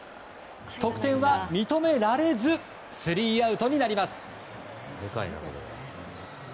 得点は認められずスリーアウトになります。